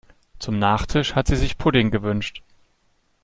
Zum Nachtisch hat sie sich Pudding gewünscht.